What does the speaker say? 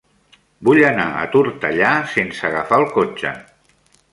Vull anar a Tortellà sense agafar el cotxe.